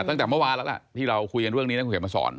ตั้งแต่เมื่อวานแล้วล่ะที่เราคุยกันเรื่องนี้นะคุณเขียนมาสอน